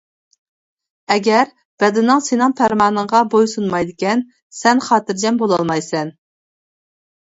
ئەگەر بەدىنىڭ سېنىڭ پەرمانىڭغا بويسۇنمايدىكەن، سەن خاتىرجەم بولالمايسەن.